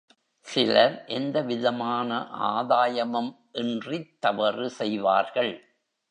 சிலர் எந்தவிதமான ஆதாயமும் இன்றித் தவறு செய்வார்கள்.